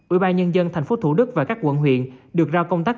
ủy ban nhân dân tp hcm và các quận huyện được ra công tác